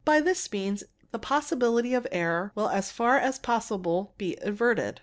By this means the possibility of error will as far as possible be averted.